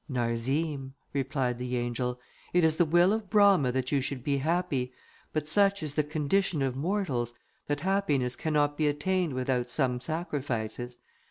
"Narzim," replied the angel, "it is the will of Brama that you should be happy; but such is the condition of mortals, that happiness cannot be attained without some sacrifices.